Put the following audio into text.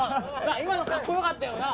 今のかっこよかったよなぁ？